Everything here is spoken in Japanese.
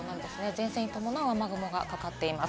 前線に伴う雨雲がかかっています。